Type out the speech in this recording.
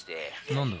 何だ？